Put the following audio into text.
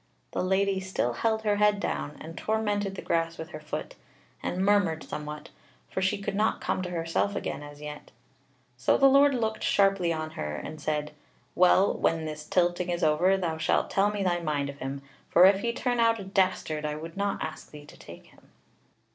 The Lady still held her head down, and tormented the grass with her foot, and murmured somewhat; for she could not come to herself again as yet. So the Lord looked sharply on her and said: "Well, when this tilting is over, thou shalt tell me thy mind of him; for if he turn out a dastard I would not ask thee to take him."